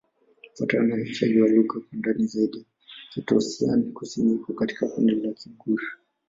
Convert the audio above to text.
Kufuatana na uainishaji wa lugha kwa ndani zaidi, Kitoussian-Kusini iko katika kundi la Kigur.